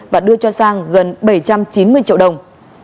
và đưa cho sang gần bảy trăm chín mươi triệu đồng